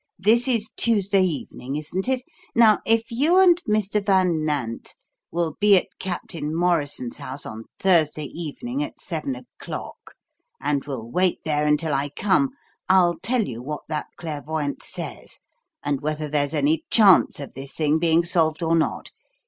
This is Tuesday evening, isn't it? Now if you and Mr. Van Nant will be at Captain Morrison's house on Thursday evening at seven o'clock, and will wait there until I come, I'll tell you what that clairvoyante says, and whether there's any chance of this thing being solved or not.